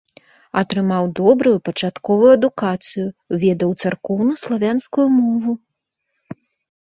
Атрымаў добрую пачатковую адукацыю, ведаў царкоўнаславянскую мову.